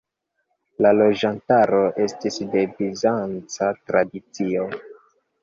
La loĝantaro estis de bizanca tradicio.